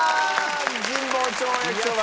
神保町やきそば